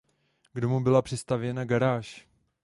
K domu byla přistavěna garáž.